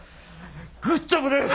グッジョブです！